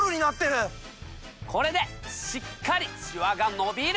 これでしっかりシワがのびる！